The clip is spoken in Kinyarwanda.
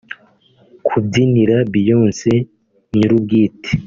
Kubyinira Beyonce nyir’ubwite